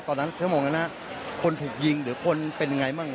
ตอนนั้นชั่วโมงนั้นน่ะคนถูกยิงหรือคนเป็นอย่างไรบ้าง